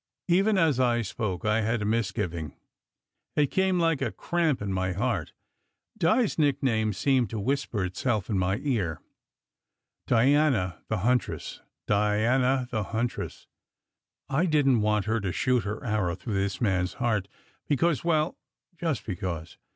Even as I spoke I had a misgiving. It came like a cramp in the heart. Di s nickname seemed to whisper itself in my ear: "Diana the Huntress Diana the Hunt ress!" I didn t want her to shoot her arrow through this man s heart, because well just because.